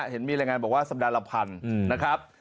เห็นมีรายงานบอกว่าสัปดาห์ละพันนะครับ